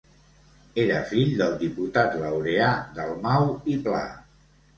Era fill del diputat Laureà Dalmau i Pla.